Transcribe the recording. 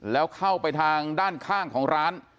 แล้วเข้าไปทางด้านข้างของร้าน